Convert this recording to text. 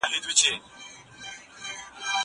زه به اوږده موده موټر کار کر وم!؟